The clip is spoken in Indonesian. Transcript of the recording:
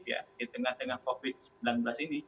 di tengah tengah covid sembilan belas ini